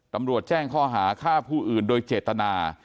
ตำรวจแจ้งข้อหาฆ่าผู้อื่นโดยเจตนา